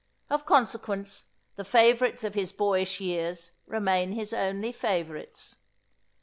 Of consequence, the favourites of his boyish years remain his only favourites.